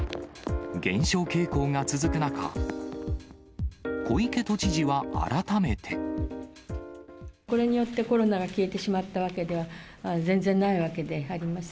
減少傾向が続く中、小池都知事は改めて。これによって、コロナが消えてしまったわけでは全然ないわけであります。